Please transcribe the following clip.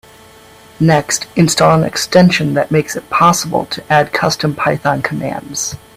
Next, install an extension that makes it possible to add custom Python commands.